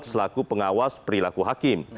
selaku pengawas perilaku hakim